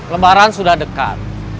lebaran sudah dekat